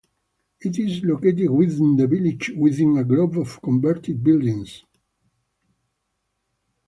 It is located within the village within a group of converted buildings.